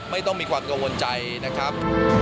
ไม่ต้องมีความกังวลใจนะครับ